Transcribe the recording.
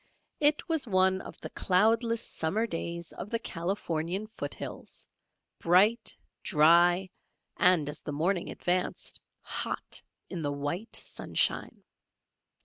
It was one of the cloudless summer days of the Californian foot hills, bright, dry, and as the morning advanced, hot in the white sunshine.